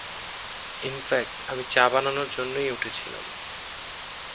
In fact আমি চা বানানোর জন্যেই উঠেছিলাম।